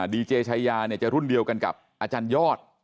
ดีเจชายาจะรุ่นเดียวกันกับอาจารยอด